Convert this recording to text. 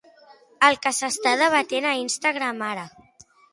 El que s'està debatent a Instagram ara.